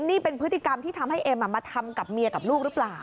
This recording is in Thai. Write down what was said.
นี่เป็นพฤติกรรมที่ทำให้เอ็มมาทำกับเมียกับลูกหรือเปล่า